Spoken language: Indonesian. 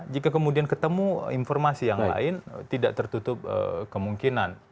jika kemudian ketemu informasi yang lain tidak tertutup kemungkinan